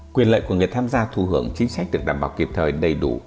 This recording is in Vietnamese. quyền lợi của người tham gia thu hưởng chính sách được đảm bảo kịp thời đầy đủ